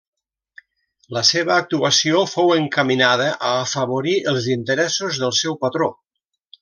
La seva actuació fou encaminada a afavorir els interessos del seu patró.